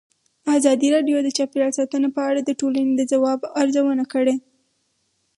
ازادي راډیو د چاپیریال ساتنه په اړه د ټولنې د ځواب ارزونه کړې.